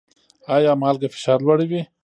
ایا مالګه فشار لوړوي؟